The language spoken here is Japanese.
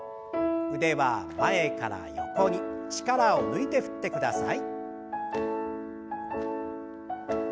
腕は前から横に力を抜いて振ってください。